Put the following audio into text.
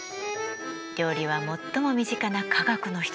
料理は最も身近な科学の一つです。